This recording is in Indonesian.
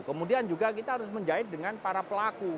kemudian juga kita harus menjahit dengan para pelaku